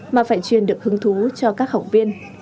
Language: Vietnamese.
mà phải truyền được hứng thú cho các học viên